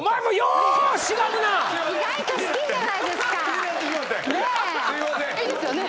いいですよね？